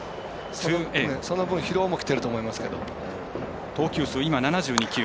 その分、疲労もきていると思います。